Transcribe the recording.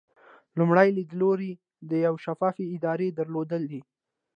لومړی لیدلوری د یوې شفافې ادارې درلودل دي.